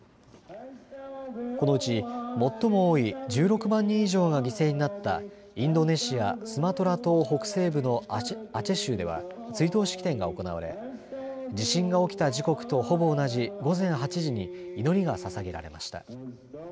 このうち最も多い１６万人以上が犠牲になったインドネシアスマトラ島北西部のアチェ州では追悼式典が行われ地震が起きた時刻とほぼ同じ午前８時に祈りがささげられました。